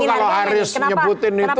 saya gak tau kalau aris nyebutin itu